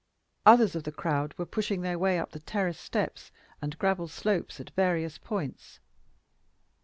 Others of the crowd were pushing their way up the terrace steps and gravel slopes at various points.